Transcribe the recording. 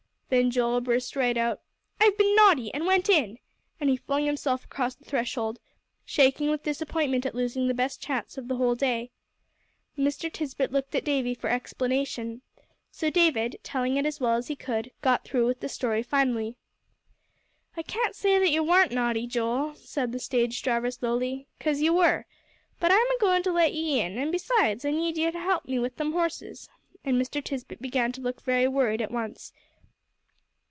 Then Joel burst right out. "I've been naughty and went in." And he flung himself across the threshold, shaking with disappointment at losing the best chance of the whole day. Mr. Tisbett looked at Davie for explanation. So David, telling it as well as he could, got through with the story finally. "I can't say that ye warn't naughty, Joel," said the stage driver, slowly, "'cause ye were. But I'm a goin' to let ye in, and besides, I need ye to help me with them horses," and Mr. Tisbett began to look very worried at once.